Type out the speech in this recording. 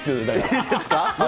いいですか。